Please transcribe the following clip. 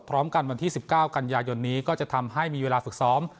พร้อมกันวันที่๑๙กันยายนนี้ก็จะทำให้มีเวลาฝึกซ้อม